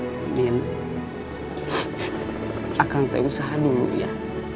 mimin aku usaha dulu ya